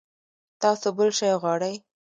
تاسو بل شی غواړئ؟